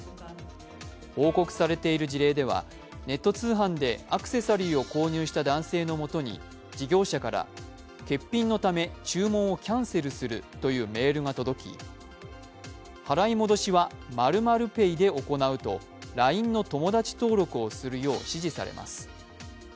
報告されている事例では、ネット通販でアクセサリーを購入した男性のもとに事業者から欠品のため注文をキャンセルするというメールが届き、「払い戻しは○○ペイで行う」とＬＩＮＥの友達登録をするよう指示されます。